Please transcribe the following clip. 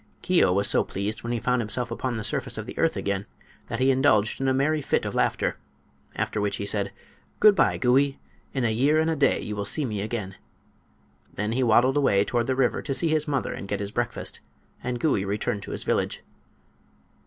Keo was so pleased when he found himself upon the surface of the earth again that he indulged in a merry fit of laughter, after which he said: "Good by, Gouie; in a year and a day you will see me again." Then he waddled away toward the river to see his mother and get his breakfast, and Gouie returned to his village.